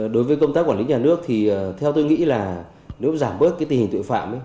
đối với công tác quản lý nhà nước thì theo tôi nghĩ là nếu giảm bớt cái tình hình tội phạm